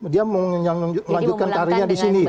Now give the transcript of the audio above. dia melanjutkan tarinya di sini